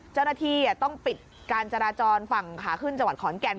เจ้าหน้าที่ต้องปิดการจราจรฝั่งขาขึ้นจังหวัดขอนแก่น